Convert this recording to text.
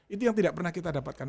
itu yang tidak pernah kita dapatkan